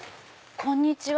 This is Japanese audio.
こんにちは！